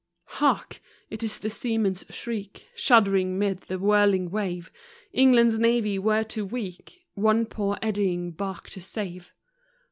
* Hark! it is the seamen's shriek, Shuddering 'mid the whirling wave, England's navy were too weak One poor eddying bark to save.